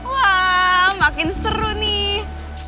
wah makin seru nih